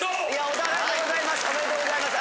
おめでとうございます。